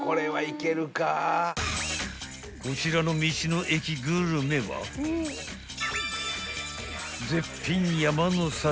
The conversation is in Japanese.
［こちらの道の駅グルメは絶品山の幸］